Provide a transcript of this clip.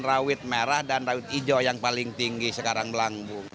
rawit merah dan rawit hijau yang paling tinggi sekarang melambung